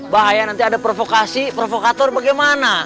bahaya nanti ada provokasi provokator bagaimana